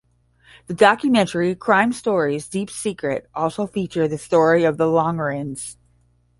The documentary "Crime Stories: Deep Secret" also featured the story of the Lonergans.